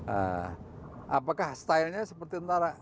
eh apakah stylenya seperti antara